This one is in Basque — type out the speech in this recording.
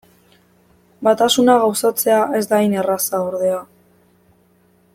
Batasuna gauzatzea ez da hain erraza, ordea.